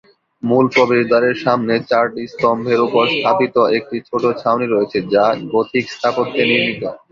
মূল প্রবেশদ্বারের সামনে চারটি স্তম্ভের উপর স্থাপিত একটি ছোট ছাউনি রয়েছে যা গথিক স্থাপত্যে নির্মিত।